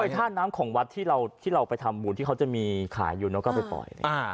ท่าน้ำของวัดที่เราไปทำบุญที่เขาจะมีขายอยู่แล้วก็ไปปล่อย